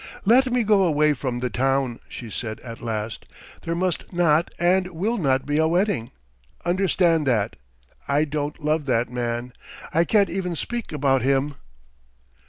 "Let me go away from the town," she said at last. "There must not and will not be a wedding, understand that! I don't love that man ... I can't even speak about him."